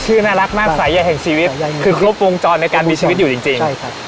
อ๋อชื่อน่ารักมากสายใหญ่เห็นชีวิตคือครบวงจรในการมีชีวิตอยู่จริง